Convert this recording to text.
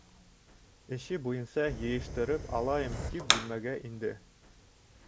Эше буйынса, йыйыштырып алайым, тип бүлмәгә инде.